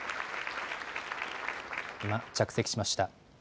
今、着席しました。